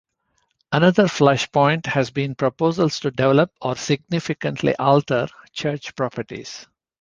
Another flashpoint has been proposals to develop or significantly alter church properties.